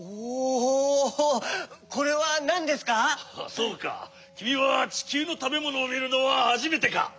そうかきみはちきゅうのたべものをみるのははじめてか。